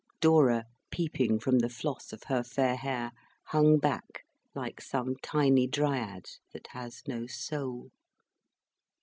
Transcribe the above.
Dora, peeping from the floss of her fair hair, hung back like some tiny Dryad, that has no soul.